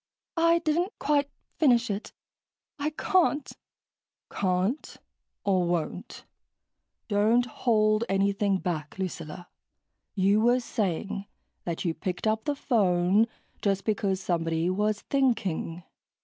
"I didn't quite finish it. I can't." "Can't? Or won't? Don't hold anything back, Lucilla. You were saying that you picked up the phone just because somebody was thinking...."